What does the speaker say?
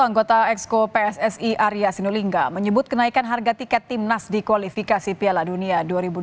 anggota exco pssi arya sinulinga menyebut kenaikan harga tiket timnas di kualifikasi piala dunia dua ribu delapan belas